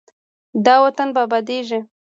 دا وطن به ابادیږي.